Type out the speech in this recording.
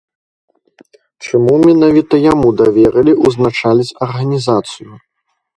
Чаму менавіта яму даверылі ўзначаліць арганізацыю?